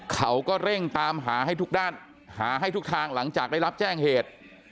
เขาก็เร่งตามหาให้ทุกด้านหาให้ทุกทางหลังจากได้รับแจ้งเหตุ